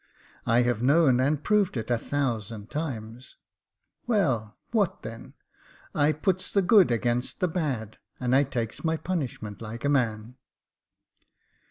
I have known and proved it a thousand times. Well, what then ? I puts the good against the bad, and I takes my punish ment like a man."